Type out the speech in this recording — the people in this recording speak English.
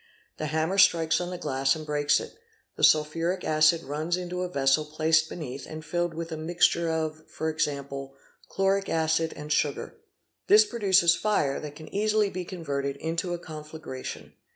The hammer strikes on the glass and breaks it, the sulphuric acid runs into a vessel placed beneath and filled with a mixture of, for example, chloric acid and sugar. 'This produces fire that can easily be converted into a confla gration.